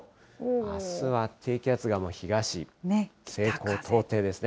あすは低気圧がもう東、西高東低ですね。